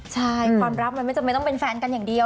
ใช่ความรักมันไม่จำเป็นต้องเป็นแฟนกันอย่างเดียว